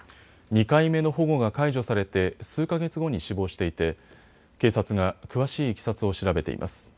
２回目の保護が解除されて数か月後に死亡していて警察が詳しいいきさつを調べています。